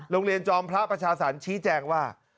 โรงเรียนจอมพระประชาศัลชี้แจ้งว่า